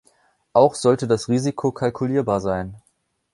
Auch sollte das Risiko kalkulierbar sein.